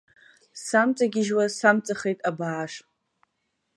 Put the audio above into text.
Самҵагьежьуа самҵахеит абааш.